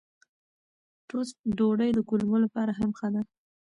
ټوسټ ډوډۍ د کولمو لپاره هم ښه ده.